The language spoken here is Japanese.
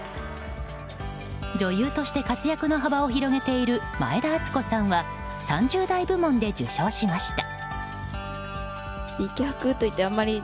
女優として活躍の幅を広げている前田敦子さんは３０代部門で受賞しました。